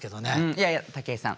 いやいや武井さん